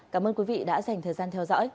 cảm ơn quý vị đã dành thời gian theo dõi